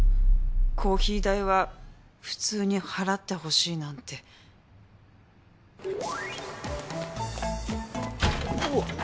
コーヒー代は普通に払ってほしいなんておわっ！